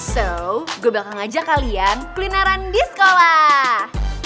so gue bakal ngajak kalian kulineran di sekolah